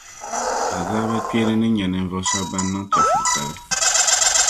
Azaabakpeeni ni nya ninvuɣu shɛba ban niŋ chɛfuritali.